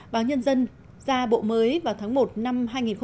báo nhân dân ra bộ mới vào tháng một năm hai nghìn một mươi hai